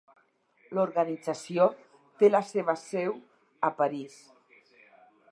L'organització té la seva seu a París.